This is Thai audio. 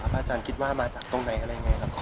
อาจารย์คิดว่ามาจากตรงไหน